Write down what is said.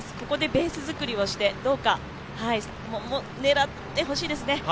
ここでベースづくりをして、どうか狙ってほしいですね。